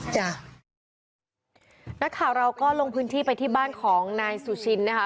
นักข่าวเราก็ลงพื้นที่ไปที่บ้านของนายสุชินนะคะ